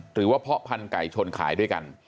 หรือว่าเพาะพันไก่ชนขายด้วยกัน